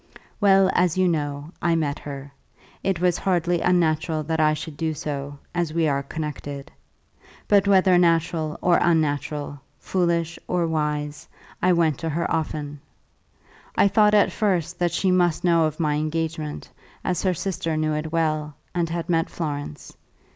Well; as you know, I met her. It was hardly unnatural that I should do so, as we are connected. But whether natural or unnatural, foolish or wise, I went to her often. I thought at first that she must know of my engagement as her sister knew it well, and had met Florence.